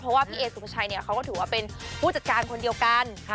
เพราะว่าพี่เอสุภาชัยเขาก็ถือว่าเป็นผู้จัดการคนเดียวกัน